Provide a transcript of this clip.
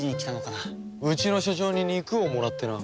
うちの所長に肉をもらってな。